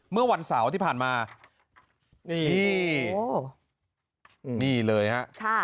เมื่อวันเสาร์ที่ผ่านมานี่เลยฮะ